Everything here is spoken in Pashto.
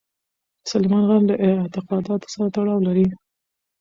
سلیمان غر له اعتقاداتو سره تړاو لري.